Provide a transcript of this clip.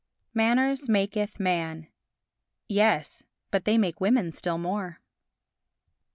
Manners Makyth Man Yes, but they make woman still more.